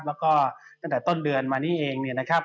แล้วก็ตั้งแต่ต้นเดือนมานี้เองเนี่ยนะครับ